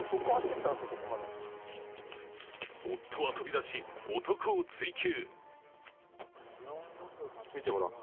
夫は飛び出し、男を追及。